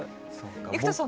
生田さん